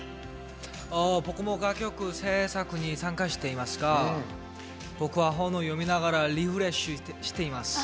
僕も楽曲制作に参加していますが僕は本を読みながらリフレッシュしています。